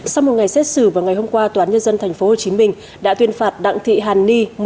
sau một ngày xét xử vào ngày hôm qua toán nhân dân tp hcm đã tuyên phạt đặng thị hàn ni